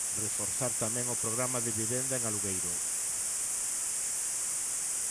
Reforzar tamén o Programa de vivenda en alugueiro.